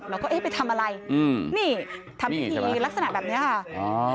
แล้วก็เอ๊ะไปทำอะไรนี่ทำใบนี้ลักษณะแบบนี้ค่ะ